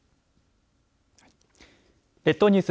列島ニュース